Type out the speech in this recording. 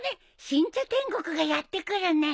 新茶天国がやって来るね。